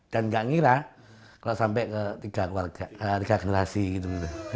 dan nggak ngira kalau sampai ke tiga warga tiga generasi gitu